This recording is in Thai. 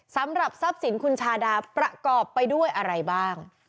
สำหรับทรัพย์สินคุณชาดาประกอบไปด้วยอะไรบ้าง